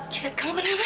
cetat kamu kenapa